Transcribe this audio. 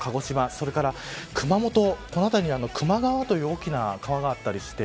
それから熊本、この辺りに球磨川という大きな川があったりして